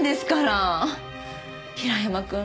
平山くん